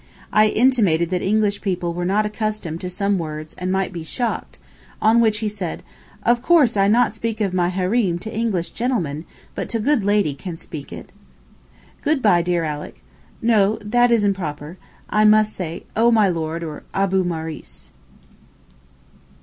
I intimated that English people were not accustomed to some words and might be shocked, on which he said, 'Of course I not speak of my Hareem to English gentleman, but to good Lady can speak it.' Good bye, dear Alick, no, that is improper: I must say 'O my Lord' or 'Abou Maurice.